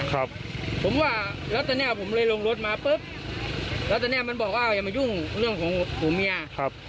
ครับผมว่าแล้วตอนเนี้ยผมเลยลงรถมาปุ๊บแล้วตอนเนี้ยมันบอกว่าอย่ามายุ่งเรื่องของผัวเมียครับ